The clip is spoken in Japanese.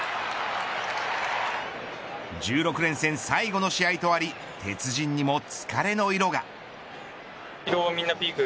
１６連戦最後の試合とあり鉄人にも疲れの色が。